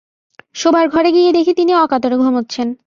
শোবার ঘরে গিয়ে দেখি তিনি অকাতরে ঘুমোচ্ছেন।